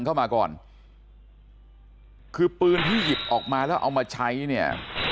เข้ามาก่อนคือปืนที่หยิบออกมาแล้วเอามาใช้เนี่ย